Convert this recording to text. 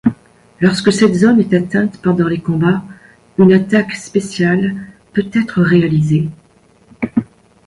Lorsque cette zone est atteinte pendant les combats, une attaque spéciale peut être réalisée.